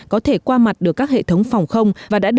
có thể qua mặt được các hệ thống phòng không